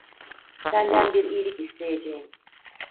Senden bir iyilik isteyeceğim.